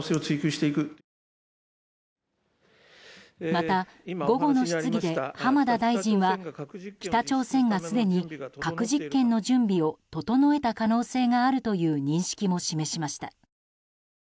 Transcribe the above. また、午後の質疑で浜田大臣は北朝鮮がすでに核実験の準備を整えた可能性があるという認識も示しました。